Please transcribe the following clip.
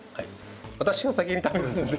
私が先に食べるんですね？